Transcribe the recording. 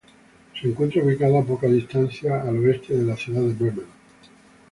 Se encuentra ubicado a poca distancia al oeste de la ciudad de Bremen.